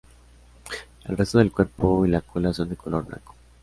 El resto del cuerpo y la cola son de color blanco.